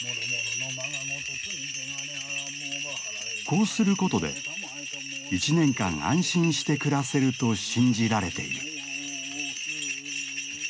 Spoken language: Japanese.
こうすることで１年間安心して暮らせると信じられている。